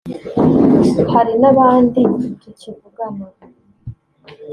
hari n’abandi tukivugana